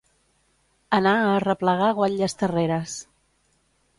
Anar a arreplegar guatlles terreres.